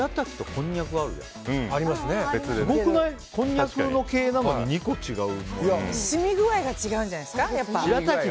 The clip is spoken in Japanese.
こんにゃく系なのに染み具合が違うんじゃないですか。